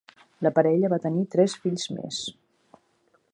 La parella va tenir tres fills més.